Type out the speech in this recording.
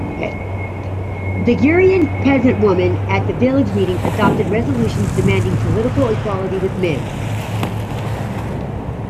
The Gurian peasant women at village meetings adopted resolutions demanding political equality with men.